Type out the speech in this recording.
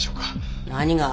何が？